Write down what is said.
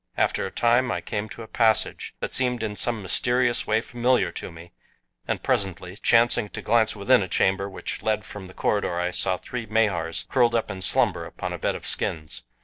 After a time I came to a passage that seemed in some mysterious way familiar to me, and presently, chancing to glance within a chamber which led from the corridor I saw three Mahars curled up in slumber upon a bed of skins.